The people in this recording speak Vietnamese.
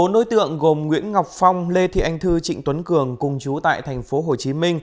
bốn đối tượng gồm nguyễn ngọc phong lê thị anh thư trịnh tuấn cường cùng chú tại tp hcm